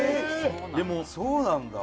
でもそうなんだ